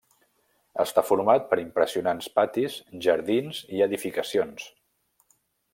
Està format per impressionants patis, jardins i edificacions.